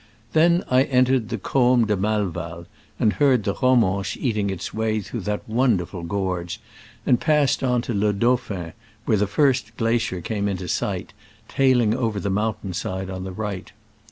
Then I entered the Combe de Malval, and heard the Romanche eating its way through that wonderful gorge, and pass ed on to Le Dauphin, where the first glacier came into view, tailing over the mountain side on the right.